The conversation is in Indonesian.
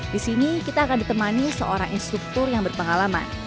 di sini kita akan ditemani seorang instruktur yang berpengalaman